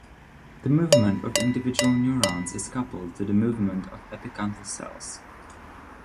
The movement of individual neurons is coupled to the movement of epithelial cells.